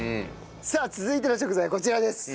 さあ続いての食材こちらです。